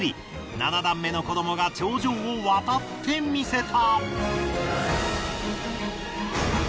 ７段目の子どもが頂上を渡ってみせた。